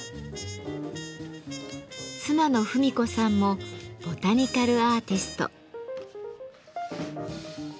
妻の文子さんもボタニカルアーティスト。